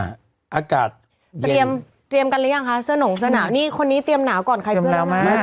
อากาศเย็นเตรียมกันหรือยังค่ะเสื้อนงเสื้อหนาวนี่คนนี้เตรียมหนาวก่อนใครเตรียมหนาวมาก